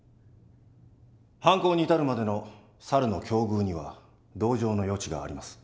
犯行に至るまでの猿の境遇には同情の余地があります。